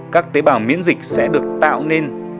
các tế bào miễn dịch sẽ được tạo nên một cơn bão